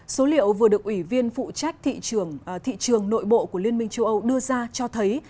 số liệu vừa được ủy viên phụ trách thị trường thị trường nội bộ của liên minh châu âu đưa ra cho thấy